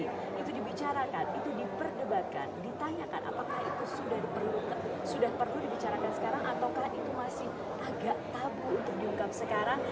itu dibicarakan itu diperdebatkan ditanyakan apakah itu sudah perlu dibicarakan sekarang ataukah itu masih agak tabu untuk diungkap sekarang